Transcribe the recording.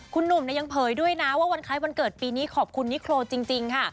คุณหนุ่มยังเผยด้วยนะว่าวันคล้ายวันเกิดปีนี้ขอบคุณนิโครจริงค่ะ